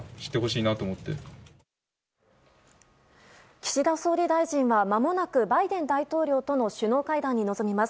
岸田総理大臣は、まもなくバイデン大統領との首脳会談に臨みます。